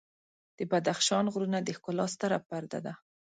د بدخشان غرونه د ښکلا ستره پرده ده.